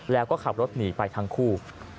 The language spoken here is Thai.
แล้วก็ขับรถหนีไปทั้งคู่